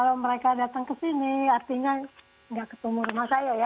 kalau mereka datang ke sini artinya nggak ketemu rumah saya ya